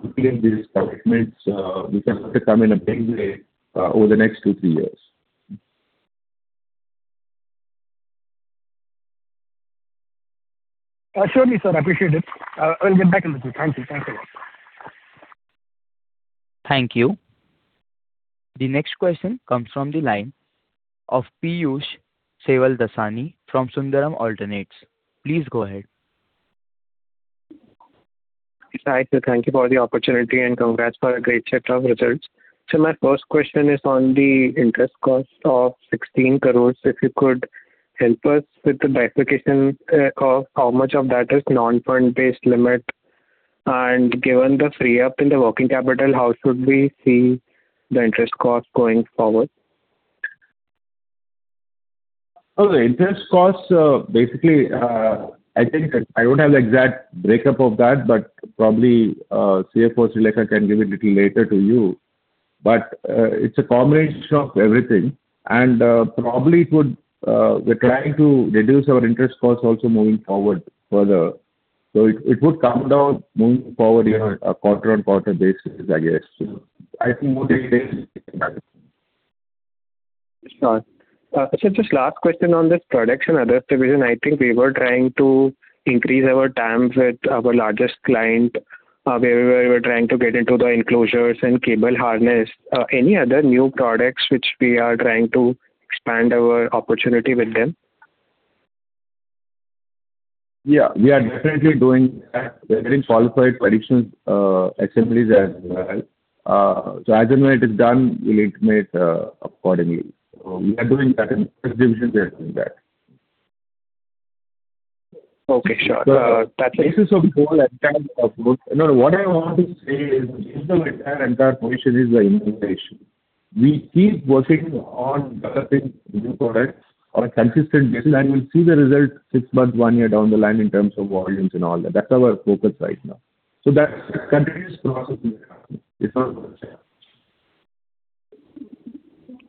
fulfilling these commitments, we can come in a big way over the next two, three years. Surely, sir. I appreciate it. I'll get back in touch with you. Thank you. Thanks a lot. Thank you. The next question comes from the line of Piyush Sevaldasani from Sundaram Alternates. Please go ahead. Yes. Hi, sir. Thank you for the opportunity, congrats for a great set of results. My first question is on the interest cost of 16 crores. If you could help us with the bifurcation of how much of that is non-fund based limit. Given the free up in the working capital, how should we see the interest cost going forward? The interest cost, basically, I think I don't have the exact breakup of that, but probably CFO <inaudible> can give it little later to you. It's a combination of everything, and probably we're trying to reduce our interest cost also moving forward further. So it would come down moving forward here on a quarter-on-quarter basis, I guess. I think that. Sure. Sir, just last question on this products and others division. I think we were trying to increase our TAMs with our largest client, where we were trying to get into the enclosures and cable harness. Any other new products which we are trying to expand our opportunity with them? Yeah. We are definitely doing that. We are very qualified production assemblies as well. As and when it is done, we'll intimate accordingly. We are doing that, and distribution is doing that. Okay, sure. The basis of whole MTAR approach No, what I want to say is, the entire position is the innovation. We keep working on developing new products on a consistent basis, and we'll see the results six months, one year down the line in terms of volumes and all that. That's our focus right now. That's a continuous process in the company. That's all I want to say.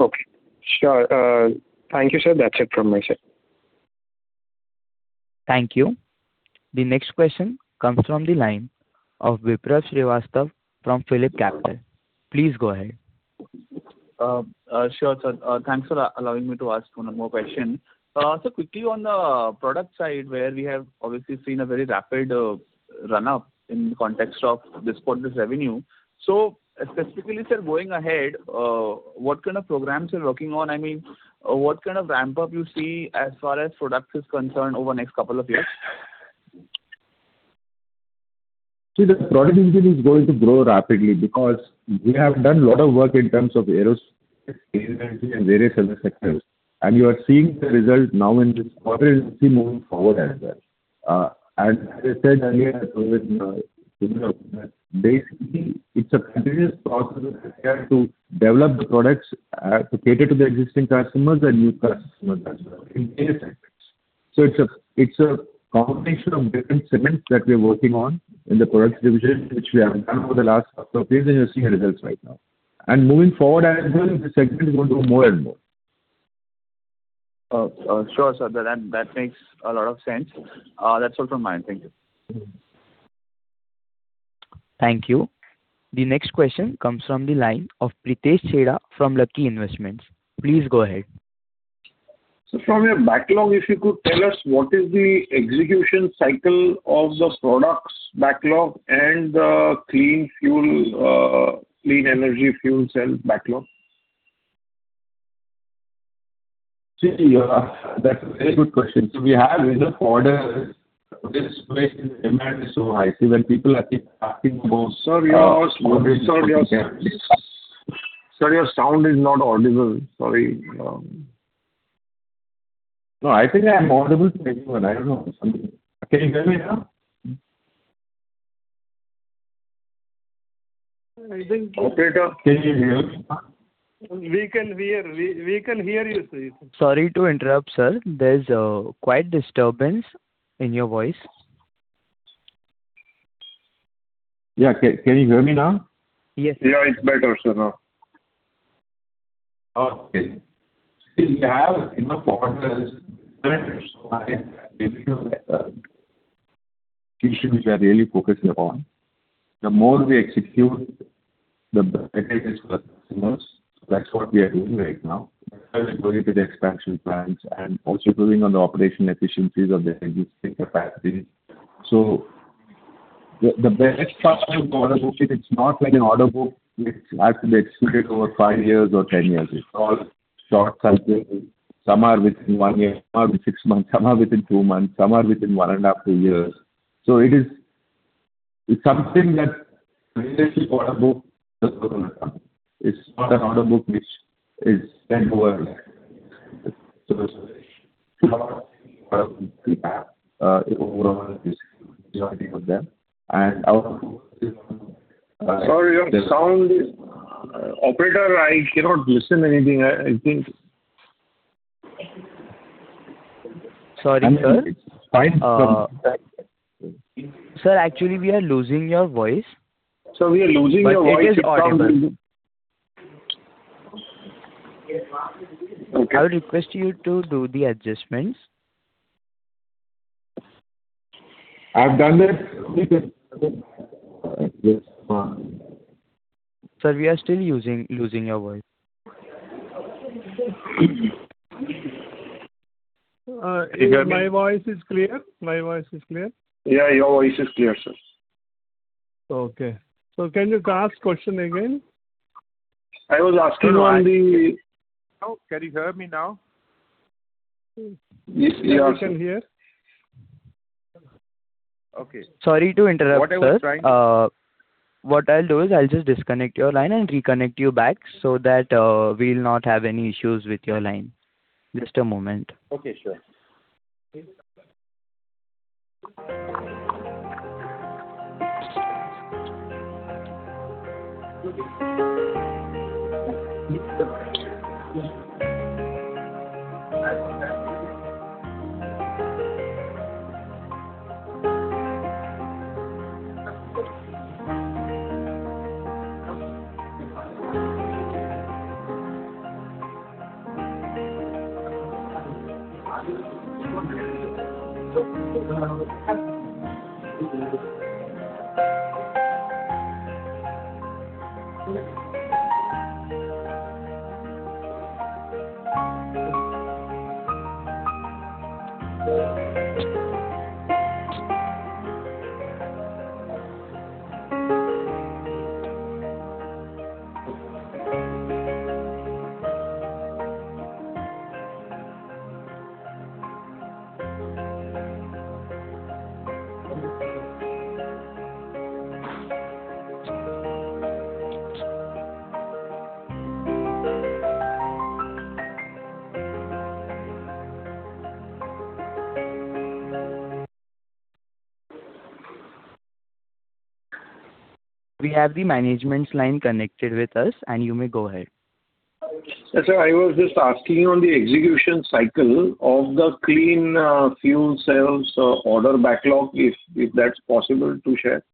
Okay. Sure. Thank you, sir. That's it from my side. Thank you. The next question comes from the line of Vipraw Srivastava from PhillipCapital. Please go ahead. Sure, sir. Thanks for allowing me to ask one more question. Sir, quickly on the product side, where we have obviously seen a very rapid run-up in the context of this quarter's revenue. Specifically, sir, going ahead, what kind of programs you're working on? What kind of ramp-up you see as far as products is concerned over the next couple of years? See, the products division is going to grow rapidly because we have done a lot of work in terms of aerospace, clean energy, and various other sectors, and you are seeing the results now in this quarter, and you'll see moving forward as well. As I said earlier, basically, it's a continuous process as we have to develop the products to cater to the existing customers and new customers as well in various sectors. It's a combination of different segments that we're working on in the products division, which we have done over the last couple of years, and you're seeing the results right now. Moving forward as well, this segment is going to do more and more. Sure, sir. That makes a lot of sense. That's all from my end. Thank you. Thank you. The next question comes from the line of Pritesh Chheda from Lucky Investments. Please go ahead. Sir, from your backlog, if you could tell us what is the execution cycle of the products backlog and the clean energy fuel cell backlog? That's a very good question. We have enough orders. This quarter's demand is so high. <inaudible> Sir, your sound is not audible. Sorry. No, I think I'm audible to everyone. I don't know. Can you hear me now? I think. Operator, can you hear me now? We can hear you, sir. Sorry to interrupt, sir. There's quite a disturbance in your voice. Yeah. Can you hear me now? Yes. Yeah, it's better, sir now. Okay. See, we have enough orders. Which we are really focusing upon. The more we execute, the better it is for the customers. That's what we are doing right now. That's why we're going with the expansion plans and also improving on the operational efficiencies of the existing capacities. The best part of the order book is it's not like an order book which has to be executed over five years or 10 years. It's all short cycles. Some are within one year, some are within six months, some are within two months, some are within one and a half to two years. It's something that relates to order book as well. It's not an order book which is spread over years. Overall executing majority of them and our. Sorry, your sound is. Operator, I cannot listen anything. I think. Sorry, sir. Sir, actually, we are losing your voice. Sir, we are losing your voice. It is inaudible. I would request you to do the adjustments. I've done it. Sir, we are still losing your voice. Can you hear me? My voice is clear. Your voice is clear, sir. Okay. Can you ask the question again? Can you hear me now? Yes. Okay. Sorry to interrupt, sir. What I was trying. What I'll do is I'll just disconnect your line and reconnect you back so that we'll not have any issues with your line. Just a moment. Okay, sure. We have the management's line connected with us and you may go ahead. Sir, I was just asking on the execution cycle of the clean fuel cells order backlog, if that's possible to share.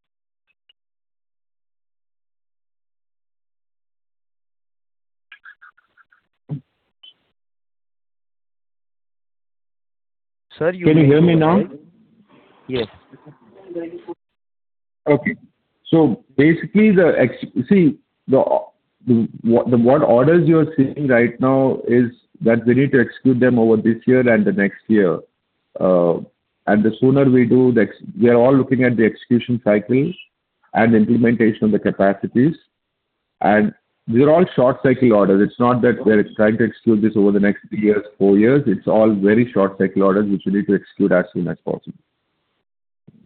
Sir, you. Can you hear me now? Yes. Okay. Basically, what orders you're seeing right now is that we need to execute them over this year and the next year. The sooner we do, we are all looking at the execution cycles and implementation of the capacities. These are all short cycle orders. It's not that we're trying to execute this over the next three years, four years. It's all very short cycle orders which we need to execute as soon as possible.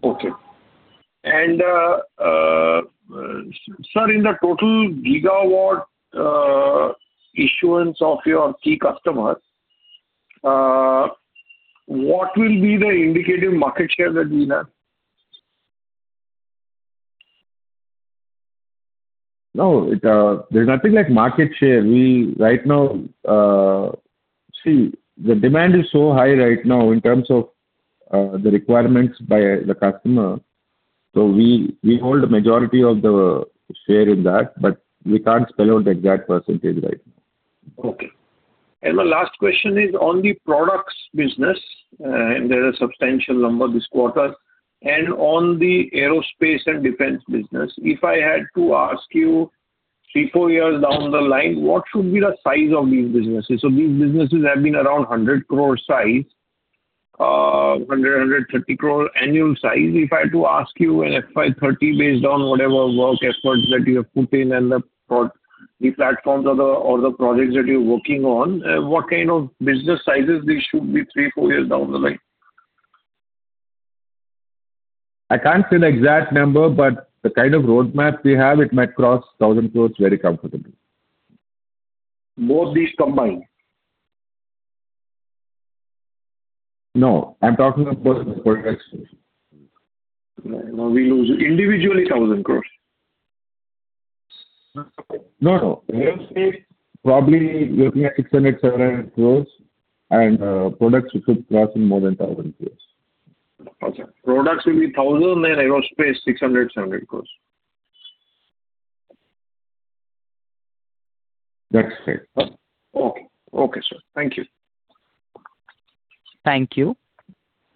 Okay. Sir, in the total gigawatt issuance of your key customer, what will be the indicative market share that we have? No, there's nothing like market share. The demand is so high right now in terms of the requirements by the customer, so we hold majority of the share in that, but we can't spell out the exact percentage right now. Okay. My last question is on the products business, and there's a substantial number this quarter, and on the aerospace and defense business. If I had to ask you three, four years down the line, what should be the size of these businesses? These businesses have been around 100 crores size, 100 crores, 130 crores annual size. If I had to ask you an FY 2030 based on whatever work efforts that you have put in and the platforms or the projects that you're working on, what kind of business sizes they should be three, four years down the line? I can't say the exact number, but the kind of roadmap we have, it might cross 1,000 crores very comfortably. Both these combined? No, I'm talking of course the products. No, we lose individually 1,000 crores. No, no. Aerospace probably looking at 600 crores, 700 crores and products which would cross in more than 1,000 crores. I see. Products will be 1,000 crores and aerospace 600 crores, 700 crores. That's right. Okay. Okay, sir. Thank you. Thank you.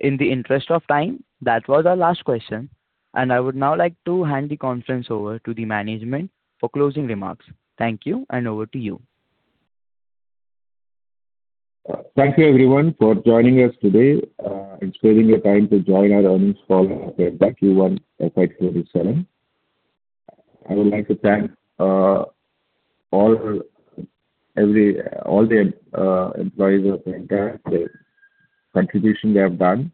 In the interest of time, that was our last question. I would now like to hand the conference over to the management for closing remarks. Thank you and over to you. Thank you everyone for joining us today and sparing your time to join our earnings call for the Q1 FY 2027. I would like to thank all the employees of MTAR for the contribution they have done,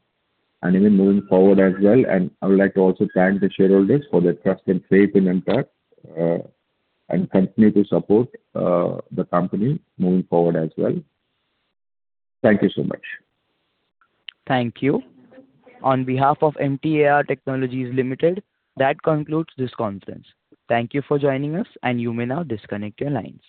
and even moving forward as well. I would like to also thank the shareholders for their trust and faith in MTAR, and continue to support the company moving forward as well. Thank you so much. Thank you. On behalf of MTAR Technologies Limited, that concludes this conference. Thank you for joining us, and you may now disconnect your lines.